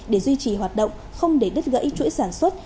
để duy trì hoạt động không để đứt gãy chuỗi sản xuất